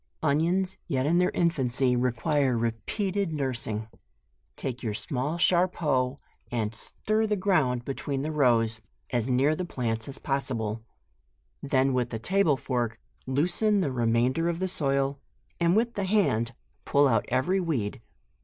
ONIONS, yet in their infancy, require repeated nurs ing. Take your small sharp hoe, and stir the ground between the rows, as near the plants as possible. Then with a table fork, loosen the remainder of the soil, and with the hand pull out every weed.